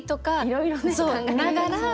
いろいろね考えながら。